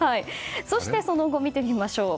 そしてその後、見てみましょう。